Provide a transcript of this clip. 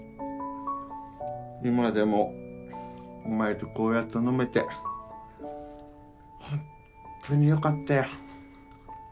今でもお前とこうやって飲めてほんとによかったよ。